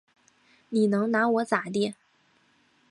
你能拿我咋地？